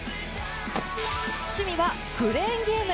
趣味はクレーンゲーム。